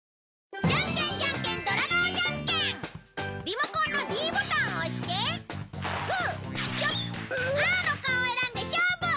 リモコンのｄボタンを押してグーチョキパーの顔を選んで勝負！